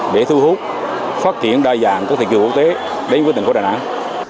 để thu hút phát triển đa dạng của thị trường quốc tế đến với thành phố đà nẵng